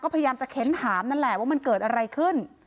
พยายามจะเค้นถามนั่นแหละว่ามันเกิดอะไรขึ้น